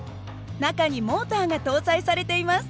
中にモーターが搭載されています。